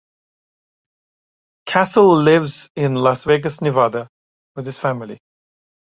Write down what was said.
Castle lives in Las Vegas, Nevada with his family.